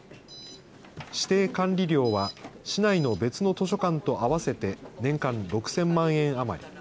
指定管理料は市内の別の図書館と合わせて年間６０００万円余り。